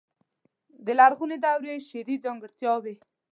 د لرغونې دورې شعري ځانګړتياوې.